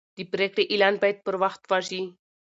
د پریکړې اعلان باید پر وخت وشي.